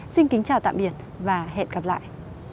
xin kính chào tạm biệt và hẹn gặp lại